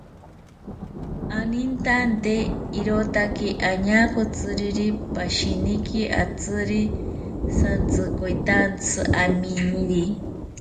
Anintante irotaki añakotsiriri pashiniki atziri santsikoitantsi aminiri.